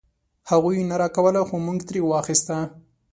هغوی نه راکوله خو مونږ ترې واخيسته.